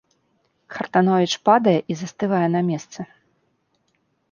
Хартановіч падае і застывае на месцы.